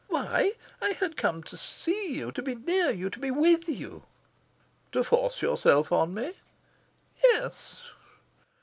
"Why? I had come to see you, to be near you, to be WITH you." "To force yourself on me." "Yes."